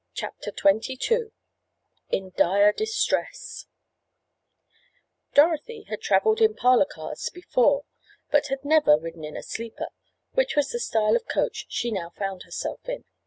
CHAPTER XXII IN DIRE DISTRESS Dorothy had traveled in parlor cars before but had never ridden in a sleeper, which was the style of coach she now found herself in.